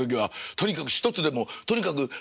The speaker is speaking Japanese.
とにかく一つでもとにかくあの。